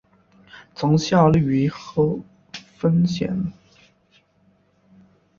曾效力于贺芬咸。